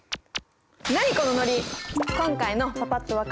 何このノリ！